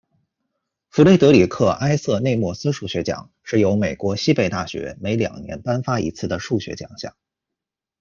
弗雷德里克·埃瑟·内默斯数学奖是由美国西北大学每两年颁发一次的数学奖项。